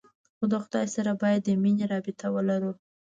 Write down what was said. خو د خداى سره بايد د مينې رابطه ولرو.